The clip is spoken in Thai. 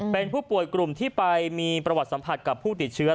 เป็นผู้ป่วยกลุ่มที่ไปมีประวัติสัมผัสกับผู้ติดเชื้อ